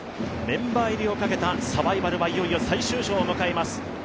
メンバー入りをかけたサバイバルはいよいよ最終章を迎えます。